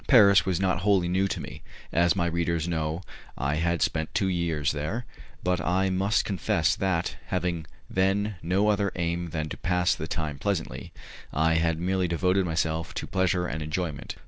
Paris was not wholly new to me, as my readers know I had spent two years there, but I must confess that, having then no other aim than to pass the time pleasantly, I had merely devoted myself to pleasure and enjoyment.